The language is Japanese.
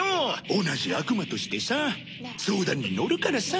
同じ悪魔としてさ相談に乗るからさ。